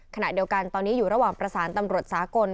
ขณะเดียวกันตอนนี้อยู่ระหว่างประสานตำรวจสากล